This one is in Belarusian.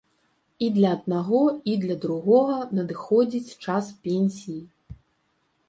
І для аднаго, і для другога надыходзіць час пенсіі.